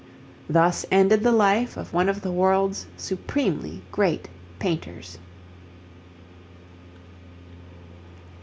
Thus ended the life of one of the world's supremely great painters.